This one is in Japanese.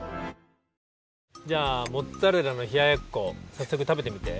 じゃあモッツァレラのひややっこさっそく食べてみて！